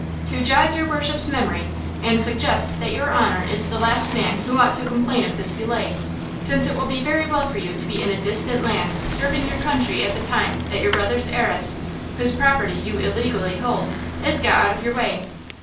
"To jog your worship's memory and suggest that your honor is the last man who ought to complain of this delay, since it will be very well for you to be in a distant land serving your country at the time that your brother's heiress, whose property you illegally hold, is got out of your way."